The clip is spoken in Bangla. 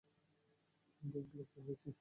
গ্যাং গ্রেফতার হয়েছে।